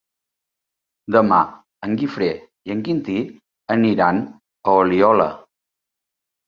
Demà en Guifré i en Quintí aniran a Oliola.